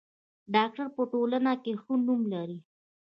ډاکټر په ټولنه کې ښه نوم لري.